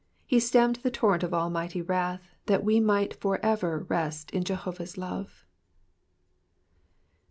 He stemmed the torrent of almighty wrath, that we might for ever rest in Jehovah's love.